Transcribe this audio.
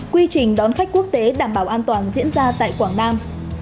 quy trình đón khách quốc tế đảm bảo an toàn diễn ra tại quảng nam